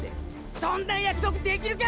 そんな約束できるか！